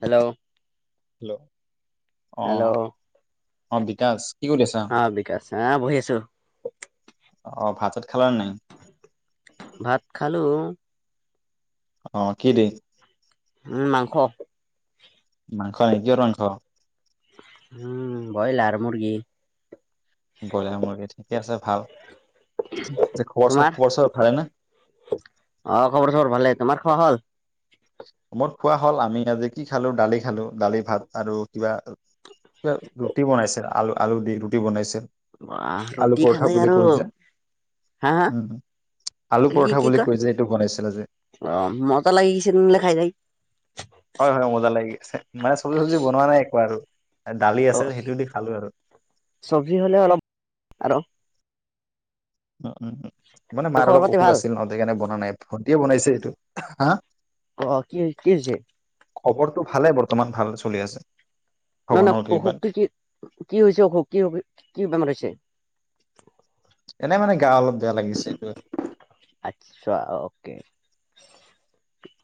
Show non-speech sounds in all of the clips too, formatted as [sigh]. Hello'- hello অ hello অ বিকাছ কি কৰি আছা অ বিকাশ আহ বহি আছো অ ভাততে [unintelligible] খেলা নে নাই ভাত খালো অ কি দি উম মাংস মাংসই কিহৰ মাংস উম বইলাৰ মুৰ্গী বইলাৰ মুৰ্গী ঠিকে আছে ভাল যে তোমাৰ কোৱাচোন খবৰ চবৰ ভালে নে অ খবৰ চবৰ ভালে তোমাৰ খোৱা হ'ল মই খোৱা হ'ল আমি আজি কি খালো দালি খালো দালি ভাত আৰু কিবা কিবা ৰুটি বনাইছে আলু আলু দি ৰুটি বনাইছে অহ ৰুটি খালে আৰু হা হা উম আলু কি কি পৰঠা কি বুলি ক কৈ যে এইটো বনাইছিল আজি অ মজা লাগিছে হিমলে খাই যায় হয় হয় মজা লাগিছে মানে চবজি চবজি বনোৱা নাই একো আৰু দালি আছে সেইটোও দি খালো আৰু চবজি হলে অলপ আৰু উম উম উ মানে মাৰ খবৰ অলপ পাতি অসুখ ভাল আছিল নহ সেইকাৰণে বনা নাই ভণ্টীয়ে বনাইছে হা অ কি কি হৈছে খবৰটো ভালে বৰ্তমান ভাল চলি আছে নাই নাই ভগৱানৰ কৃপাত অসুখটো কি কি হৈছে অসুখ কি কি বেমাৰ হৈছে এনেই মানে গা অলপ বেয়া লাগিছে এইটো আৰু আচ্ছা অকে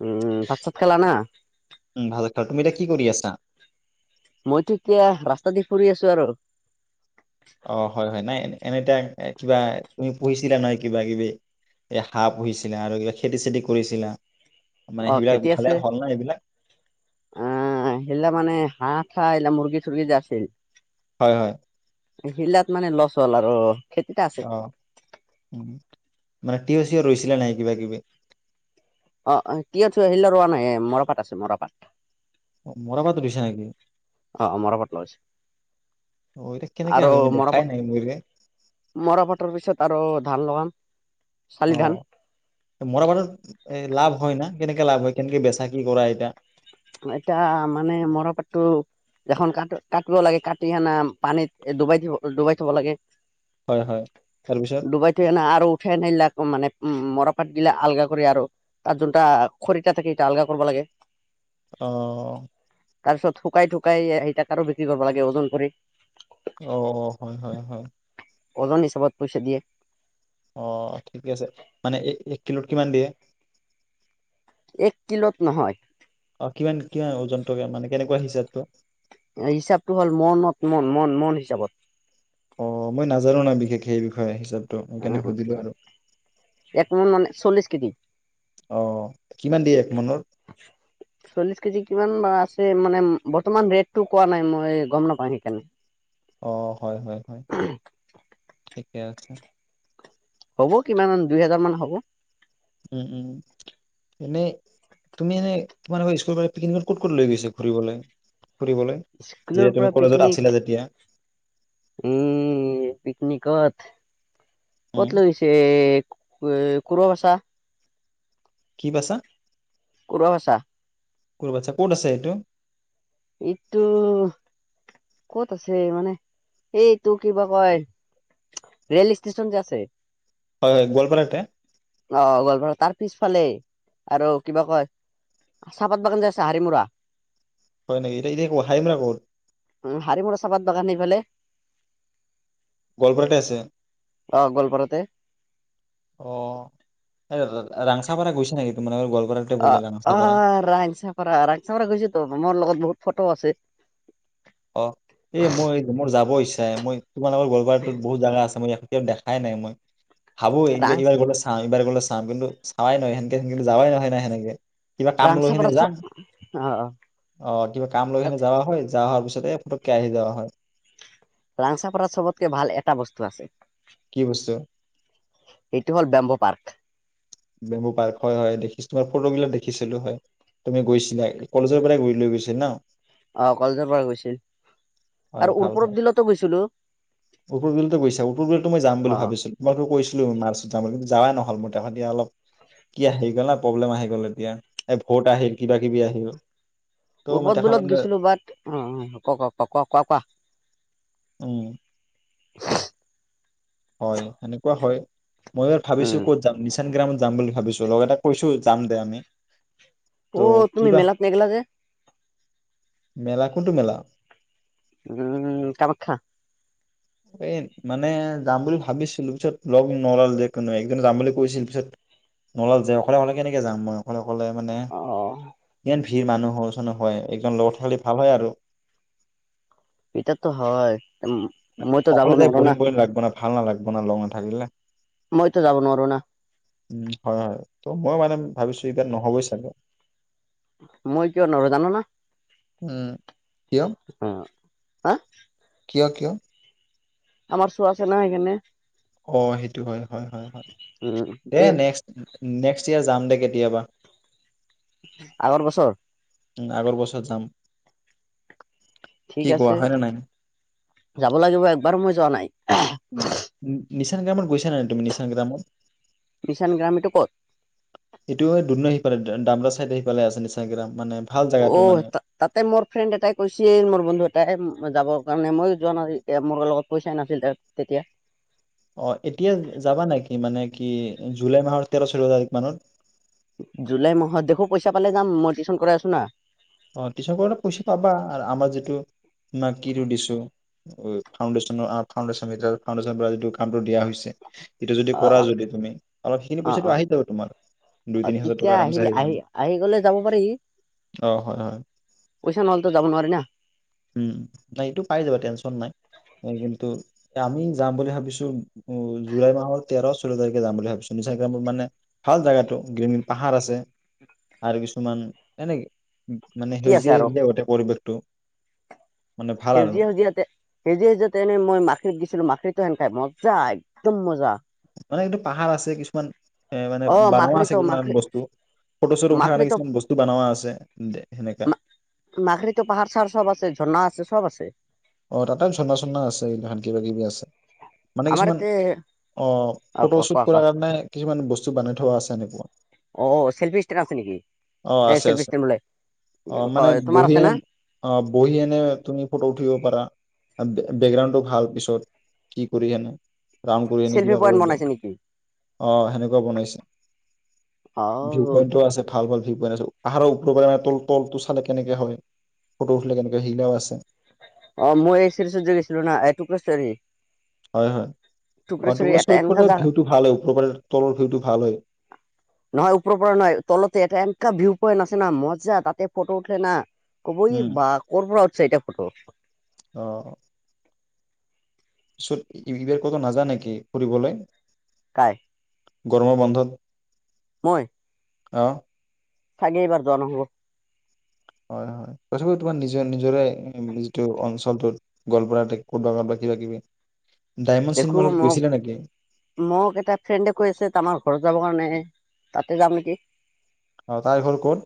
উম ভাত চাত খালা না ত তুমি এতিয়া কি কৰি আছা মইতো এতিয়া ৰাস্তা দি ফুৰি আছো আৰু অ হয় হয় নাই এ এনে এতিয়া কিবা তুমি পুহিছিলা নহয় কিবা কিবি এই হাঁহ পুহিছিলা আৰু কিবা খেতি চেতি কৰিছিলা মানে সেইবিলাক ভালে হ'ল না এইবিলাক অহ সেইলা মানে হাঁহ চাহ এইলা মুৰ্গী চৰ্গী যে আছিল হয় হয় শিলাত মানে লছ হ'ল আৰু খেতিটা আছে অহ উম মানে টিয় চিয় ৰুইছিলা নাই কিবা কিবি অ অ কি থ আহিল ৰোৱা নাই মৰাপাত আছে মৰাপাত অ মৰা পাতো দিছে নেকি অ অ মৰাপাট লইছে অ এতিয়া কেনেকে আৰু হয় মই মৰা দেখাই নাই মোৰে মৰাপাটৰ পিছত আৰু ধান লগাম চালি অ ধান মৰাপাটত, এ লাভ হয় ন কেনেকে লাভ হয় কেনেকে বেচাক কি কৰা এটা। এতিয়া মানে মৰাপাতটো, এখন ক কাটিব লাগে কাটি সেনা পানীত ডুবাই থব ডুবাই থব লাগে। হয় হয় তাৰপিছত ডুবাইতো এনা আৰু উঠে নিলাক মানে মৰ। পাত দিলে আলগা কৰি আৰু তাত যোনটা খৰিটা থাকে সটা আলগা কৰিব লাগে। আহ। তাৰ পিছত শুকাই থুকাই সেই তাকো বিক্ৰী কৰিব লাগে ওজন কৰি। অ হয় হয় হয়। ওজন হিচাপত পইচা দিয়ে। অ ঠিকে আছে মানে এক কিলোত কিমান দিয়ে। এক কিলোত নহয়। অ কিমান কিমান ওজনটো মানে কেনেকুৱা হিচাপ তো। হিচাপটো হ'ল মনত মন মন মন হিচাপত। অ মই নাজানো নাই বিশেষ সেই বিষয়ে হিচাপে। উ এক মুন মানে চল্লিশ। দি। অ', কিমান দিয়ে এক মোনৰ? চল্লিশ কেজি কিমান বা আছে। মানে বৰ্তমান ৰেটটো কোৱা নাই মই গম নাপাওঁ সেইকাৰণে। অ হয় হয় হয়। এ আছে। হ'ব কিমান দুই হোজাৰ মান হ'ব। উম উম এনেই তুমি এনে তোমাৰৰ স্কুলৰ পৰা পিকনিকত ক'ত ক'ত লৈ গৈছে ফুৰিবলৈ। [unintelligible] যেতিয়া স্কুলৰ তুমি পৰা কলেজত আছিলা পিকনিক, যেতিয়া। উম। নিকট। উম, কত লৈ গৈছে উ কৰুৱ ভচা। কি বছা। কৰুৱা ভাষা। কুৰু বাচা ক'ত আছে এইটো। এইটো ক'ত আছে মানে, এইটো কিবা কয় ৰেল ষ্টেচন যে আছে। হয় হয় গোৱালপাৰাতে। অ গোৱালপাৰা তাৰ পিছফালে, আৰু কিবা কয়, চাহপাত বাগান যে আছে হাৰি মৰা? হয় নেকি? এতিয়া এতিয়া ক হাইমৰা ক'ত? উম, হাৰিমৰা চাপাত বাগান এইফালে গোৱলপাৰাতে আছে। অ' গোৱালপাৰাতে অ, সেই। ৰাংচা পাৰা গৈছা নে অ অ, ৰাংচাপাৰা ৰাংচাপা গৈছোঁ তো, মোৰ লগত বহুত ফটো আছে। অ, এ মই মোৰ যাব হৈছে। মই। তোমালোকৰ গড় গাওঁটো বহুত জাগা আছে মই দেখাই নাই মই। ভাবো ৰাং এইবাৰ গ'লে চাওঁ এইবাৰ গ'লে। চাম কিন্তু চোৱাই নহয় সেনেকে যোৱাই নহয় না সেনেকে। কিবা কাম লৈ কিনে ৰাংচাপাৰাত চ যাম অ' অ কিবা কাম লৈ কি যাৱা হয় যাৱা হোৱাৰ পিছত। এ ফটকে আহি যায় নহয়। ৰাংচাপাৰা চবতকে ভাল এটা বস্তু আছে। কি বস্তু এইটো হ'ল বামভ। পাৰ্ক। বেম্বু পাৰ্ক হয়, হয় দেখিছোঁ তোমাৰ ফটোগিলাক দেখিছিলোঁ হয়। তুমি গৈছিলা কলেজৰ পৰাই গৈ লৈ গৈছিলা ন। অ কলেজৰ পৰা গৈছিল। হয় আৰু ভাল উৰপদ হয় বিলতো গৈছিলো উত্তৰ বিল গৈছা। উত্তৰ বিলত মই যাম বুলি অ' ভাবিছিলোঁ, তোমাকে কৈছিলোঁ মাৰছত যাম বুলি কিন্ত। যাৱাই নহ'ল মোৰ তাৰপিছত দিয়া। অলপ কি আহি গ'ল না, প্ৰব্লেম আহি গ'ল ন এতিয়া এই ভট আহিল কিবা কিবি আহিল। ত' মই উত্তৰ দেখা বিলত মানে গৈছিলোঁ বাট অ ক ক ক। কোৱা উম উঁহ। হয় সেনেকুৱা হয়। মই ভাবিছোঁ উম, ক'ত যাম নিচান গ্ৰামত। যাম বুলি ভাবিছোঁ লগৰ এটাক কৈছোঁ যাম দে আমি। ত' অ তুমি কিবা মেলাত নগলা যে। মেলা কোনটো মেলা। উম্ কামাখ্যা। এই মানে। যাম বুলি ভাবিছিলোঁ পিছত লগ নলল। যে কোন একজন যাম বুলি কৈছিল, পিছত নোলাল যে অকলে অকলে কেনেকৈ যাম মই। লগ হ'লে মানে অ' ইমান। ভিৰ মানুহ হ'য় চোন হ'য় একজন লগৰ থাকিলে ভাল হয় আৰু। এইটোত হয় মইতো অকলে যাব যাই নোৱাৰো বৰিং না। বৰিং লাগব না ভাল নালাগিব লগৰ নাথাকিলে। মইতো যাব নোৱাৰোঁ না। উম্ হয় হয় ত মই মানে ভাবিছোঁ এইবাৰ নহবই চাগে। মই কিয় নোৱাৰোঁ জান ন। ওম। অ হা। কিয় কিয়। আমাৰ চুৱা আছে ন সেইকাৰণে। অ সেইটো হয় হয় হয় হয় উম তে দিয়া নেক্সট্। নেক্সট ইয়াৰ যাম দে কেতিয়াবা। আগৰ বছৰ। উ আগৰ বাছত যাম [unintelligible] ঠিক কি কোৱা আছে হয় নে নাই যাব লাগিব একবাৰ মই যোৱা নাই [inaudible] নিচান গ্ৰামত গৈছা নাইাই তুমি নিচান গ্ৰামত [unintelligible] বিচান গ্ৰামীটো ক'ত [unintelligible] ডামৰা চাই আহ পালাই আছে নিশ গ্ৰাম [unintelligible] অ জেগাটো মানে তাতে মোৰ ফ্ৰেণ্ড এটাই কৈছে মোৰ বন্ধু এটাই যাব কাৰণে মই যোৱা নাছিল এতিয়া মোৰ লগত পইচা নাছিল তাত তেতিয়া [unintelligible] অ এতিয়া যাবা নেকি মানে কি জুলাই মাহৰ তেৰ চৈধ্য তাৰিখ মানত জুলাই মাহত দেখো পইচা পালে যাম মই টিউশচন কৰাই আছো না অ টিচনটা পইচা পাবা আৰু আমাৰ যিটো তমাৰ কি দিছো ফাউডেশ্যনৰ ফাউডেশন ফাউডেশনৰ পৰা যিটো কামটো দিয়া হৈছে [unintelligible] এইটো যদি অ কৰা অ যদি তুমি অলপ সেইখিনি অ পইচাটো অ আহি যাব তোমাৰ দুই অ তিনি হাজাৰ টকা তেতিয়া আৰমচে আহিলে আহি যাব আহি গলে যাব পাৰি হয় হয় পইচা নহলেতো যাব নোৱাৰি ন [unintelligible] উম নাই এইটো পাই যাবা টেনচন নাই কিন্তু আমি যাম বুলি ভাবিছো জুলাই মাহৰ তেৰ চৈধ্য তাৰিখে যাম বুলি ভাবিছো নিচা গ্ৰামবোৰ মানে ভাল জোগাতটো গ্ৰীণ গ্ৰীণ পাহাৰ আছে আৰু কিছুমান এনেকে [unintelligible] মানে কি আছে সেউজিয়াই আৰু সেউজিয় আগতে পৰিৱেশতটো [unintelligible] সেউজীয়া সেউজীয়াতে সেজীয়া সেউজীয়াতেনেই মই মাখৰিত দিছিলো মখিতটো সেনকাই মই [unintelligible] য একদম মজা মানে এইটো পাহাৰ আছে কিছুমান এ মানে অ বান আছে মাখৰিতো কিছুমান মাখৰি বস্তু [unintelligible] ফটো শ্বটো উঠাৰ কাৰণে কিছুমান মাখৰিতো বস্তু বনোৱা আছে সেনেকা মাখৰিতো পাহাৰ চাহাৰ চব আছে ঝৰ্ণা [unintelligible] আছে চব আছে অ তাতে চন্দনা চন্দনা আছে কিন্তু ধান কিবা কিবি আছে মানে আমাৰ কিছুমান ইয়াতে অ অ ক কোৱা ফটোশোট কোৱা কৰাৰ কাৰণে [unintelligible] কিছুমান বস্তু বনাই থোৱা আছে এনেকুৱা অ অ চেল্ফি ষ্টেণ্ড আছে নেকি অ এ আছে চেল্ফি আছে ষ্টেণ্ড বোলে অ মানে তোমাৰ বহি আছে না এনে অ বহি এনে তুমি ফটো উ বেকগ্ৰাউডটো ভাল পিছত কি কৰি হেনে [unintelligible] ৰা কৰি এনে চেল্ফি কিবা পইণ্ট কৰিলেয় বনাইছে নেকি অ সেনেকুৱা বনাইছে অ ভিউ পইন্ও আছে ভাল ভাল [unintelligible] াই পাহাৰৰ ওপ মানে তল তলটো চালে কেনেকে হয় ফটো উঠিলে কেনেকে সেইগিলাও আছে [unintelligible] অ মই এই চিৰিচত যে গৈছিলো ন এইটকী [unintelligible] হয় হয় অ থুপ্ৰ্বৰী এটা টুকুৰেশ্বৰীত এনেকা মানে জা ভিউটো ভাল হয় ওপৰৰ পৰা তলৰ ভিউটো ভাল হয় নহয় ওপৰৰ পৰা নহয় তলতে এটা এনেকা ভিউ পইন্ট আছে [unintelligible] মজা তাতে ফটো উঠিল ন কব বা কৰ পৰা [unintelligible] সেইটা ফটো আহ ছত এইবাৰ কতো নাজান নেকি ফুৰিবলৈ কাই গৰমৰ বন্ধত? মই? আহ'। চাগে, এইবাৰ যোৱা নহ'ব। হয়', হয়', তথাপিও তোমাৰ নিজৰ নিজৰে যিটো অঞ্চলটোত গোৱালপাৰাতে ক'ৰবাত ক'ৰবাত কিবা কিবি [unintelligible] দেখো চিনেমা হলত মোক, গৈছিলা নেকি মই আকৌ তাইক ফ্ৰেণ্ড ৰিকুৱেষ্টত, আমাৰ ঘৰত যাব কাৰণে। তাতে যাম নেকি? অ তাইৰ ঘৰ ক'ত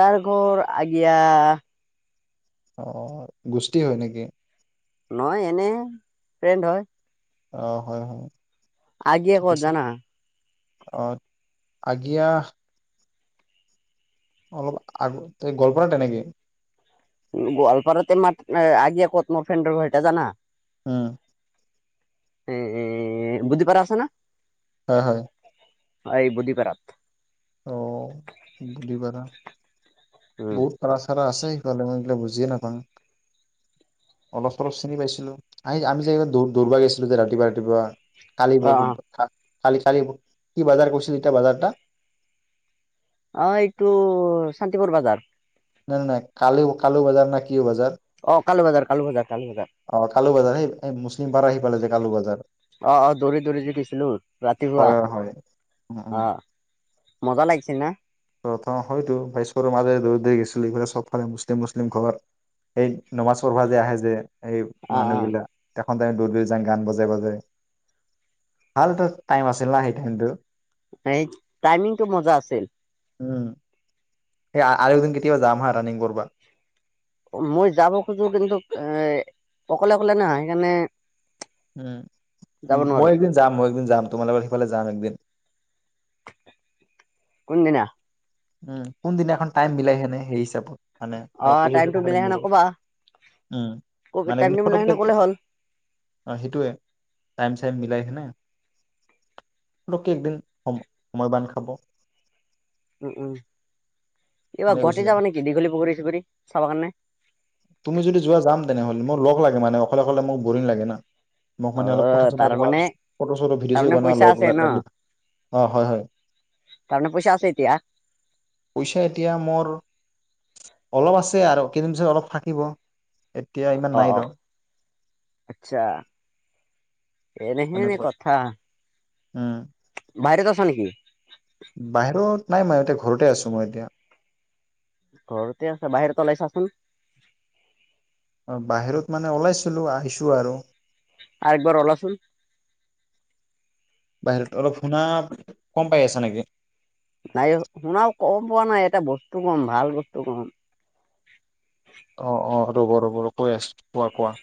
তাৰ ঘৰ আগিয়া আহ', অ', গোষ্ঠিৰ হয় নেকি? নহয়, এনে ফ্ৰেণ্ড হয়। অ', হয় হয়। আগে ঠিক ক'ত আছে জানা? অ আগিয়া অলপ আগতে গোৱালপাৰা তেনেকি গোৱালপাৰাতে মাত, এ আগিয়া ক'ত মোৰ ফ্ৰেণ্ডৰ ঘৰিটা জানা? উম',। এএএএএএ বুদ্ধি পাৰা আছে ন? হ হয়। অ এই বুদ্ধি পাৰাত। অহ', বুদ্ধি পাৰা। উম বহুত পাৰা সাৰা আছে। সেইটো নহয়, মই এগিলা বুজিয়ে নাপাঙ, অলপ চলপ চিনি পাইছিলো আহি আমি যে দৌ দৌৰ মাৰি আছিলো যে ৰাতিপুৱা ৰাতিপুৱা কালি অ বই অ কা কালি, কালি কি বাজাৰ কৰিছিল, এতিয়া বাজাৰটা আহ', এইটো শান্তিপুৰ বাজাৰ। নাই- নাই, কালি, কালু বাজাৰ ন কি বাজাৰ? অ', কালু বাজাৰ কালু বাজাৰ কালু বাজাৰ কিং পাৰা সেইফালে যে কালু বজাৰ। অ', - অ', দৌৰি দৌৰি যে গৈছিলো ৰাতিপুৱা হয় হয় উ উ অ',। মজা লাগিছে না? প্ৰথম হয়তো, ভইসকৰৰ মাজৰে দৌৰি দৌৰি গৈছিলো এইফালে চবফালে মুছলিম মুছলিম ঘৰত এই নমাজ পঢ়বা যে আহে যে সেই অ অ মানুহগিলা তা দৌৰ দৌৰি যাঙ, গান বজাই বজাই ভালটা টাইম আছিল না সেই টাইমটো এই টাইমিংটো মজা আছিল। উম',। হে অ আৰু এদিন কেতিয়াবা যাম হা ৰানিং কৰবা। মই যাব খোজোঁ, কিন্তু এ অকলে অকলে নহয় সেইকাৰণে উম ', ম যাব মই নোৱাৰো একদিন যাম মই একদিন যাম তোমালো সেইফালে যায় একদিন। কোনদিনা? উম! কোনদিনা এখন টাইম মিলাই হেনে সেই হিচাপত মানে অ অলপ ফটক কে টাইমটো থাকিলে মিলাই মোৰ সেনে লগত কবা উম ক মানে টাইম মোৰ টেবুল ফতপ কে নাখানে ক'লে হ'ল সেইটোৱে টাইম মিলাই হেনে [unintelligible] পতককে একদিন সম-সময় বান্ধ খাব। উম-উম! [unintelligible] চুখুৰী চাব কাৰণে তুমি যদি যোৱা যাম তেনেহলে, মোৰ লগ লাগে মানে অকলে-অকলে মোৰ বৰিং লাগে না। মোক অ মানে অলপ কথা-চথা কোৱা, তাৰমানে ফটো-চটোও ভিডিঅ'-চিডিঅ তাৰমানে বনোৱা পইচা আছে ন লগ [unintelligible] অঁ হয়-হয় তাৰমানে পইচা আছে এতিয়া পইছা মোৰ অলপ আছে আৰু কেইদিন পিছত অলপ থাকিব। এতিয়া ইমান নাই ৰ অ-অ! আচ্ছা। এনেহেনে তেনেকুৱাই কথা। উম বাৰ [unintelligible] হয় নেকি? বাহিৰত নাই মই এতিয়া ঘৰতে আছোঁ মই এতিয়া। ঘৰতে আছা, বাহিৰত ওলাইছাচোন? অ বাহিৰত মানে ওলাইছিলো আহিছোঁ আৰু। আৰু একবাৰ অওলাচোন? বাহিৰত, অলপ শুনা কম পাই আছা নেকি? নাই শুনা কম পোৱা নাই, এটা বস্তু কম, ভাল বস্তু কম। অ-অ। ৰ'ব-ৰ'ব-ৰব কৈ আছোঁ কোৱা-কোৱা।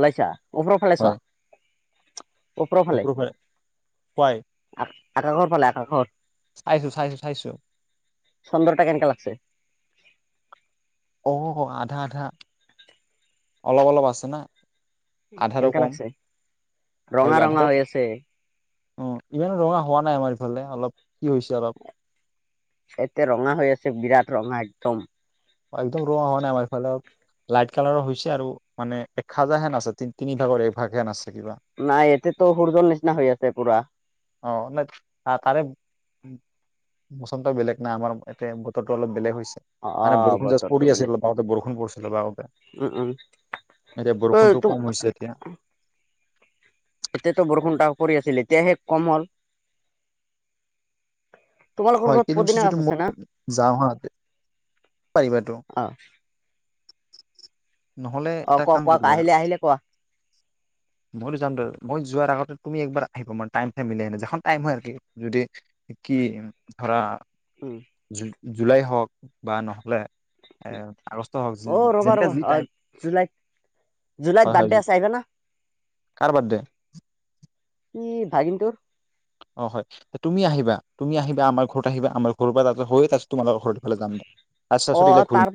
ওলাইছা। ওপৰৰফালে চোৱা, হয় ওপৰৰফালে ওপৰ ফালে খুৱাই আহ আকাশৰ পালে, আকাশৰ। চাইছো [unintelligible] চাইছো চাইছো চন্দৰটা কেনেকা লাগছে? হ [unintelligible] আধা-আধা, অলপ-অলপ আছে না? আধাৰো কেনেকা কম লাগছে, ৰঙা ৰঙা হৈ আছে। উম! ইমানো ৰঙা হোৱা নাই আমাৰ ইফালে, অলপ কি হৈছে অলপ এতে ৰঙা হৈ আছে বিৰাট, ৰঙা এক [unintelligible] ম একদম ৰঙা হোৱা নাই আমাৰ ইফালে, লাইট কালাৰৰ হৈছে আৰু মানে এ [unintelligible] হেন আছে, তিনিভাগৰ এক ভাগ হেন আছে। কিবা নাই এইয়াতেটো সূৰ্যৰ নিচিনা হৈ আছে পুৰা। অ নাই তাৰে উচ্চতা বেলেগ না আমাৰ এতিয়া বতৰটো অলপ বেলেগ হৈ মানে অ বৰষুণ জাষ্ট বতৰটো পৰি বেলেগ আছিল, বাওঁতে বৰষুণ পৰিছিল বাওঁতে, উম উম এতিয়া অ বৰষুণতটো কম হৈছে এতিয়া। এতিয়াটো বৰষুণ [unintelligible] পৰি আছিল এতিয়াহে কম হ'ল। তোমালোকৰ হয় ঘৰত কেইদিন পিছত পদিনা যদি গাছ মই আছে না? পাৰিবাটো অ নহলে অ এটা কোৱা কাম কোৱা কৰিব আৰু আহিলে আহিলে কোৱা মইতো যাম ত মই। যোৱাৰ আগতে তুমি একবাৰ আহিব মানে টাইম চ মিলিখন টাইম হয় আৰ যদি কি ধৰা। উম। জু জুলাই হওক বা নহ'লে। এ আগষ্ট হওক অ ৰবা যেনেকা ৰবা যি অ টাইম জুলাইত হয় জুলাইত হয় বাৰ্থডে আছে আহিবা না। কাৰ বাদে। ই ভাগিনটুৰ। অ হয় তুমি আহিবা তুমি আহিবা আমাৰ ঘৰত আহিবা আমাৰ ঘৰ পৰাছতয়োছ তোমোকৰ ঘৰফালে যাম দে। আচ্ছা চুটি লৈ অ ফুৰিম। তাৰ